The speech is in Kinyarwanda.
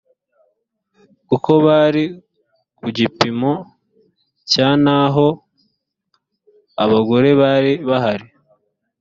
kuko bari ku gipimo cya naho abagore bari bahari